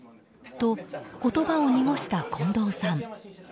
と、言葉を濁した近藤さん。